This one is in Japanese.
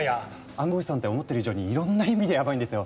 暗号資産って思ってる以上にいろんな意味でヤバいんですよ。